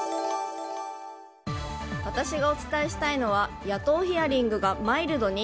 私がお伝えしたいのは野党ヒアリングがマイルドに？